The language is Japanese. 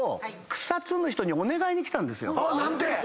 何て？